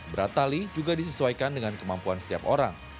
berat tali juga disesuaikan dengan kemampuan setiap orang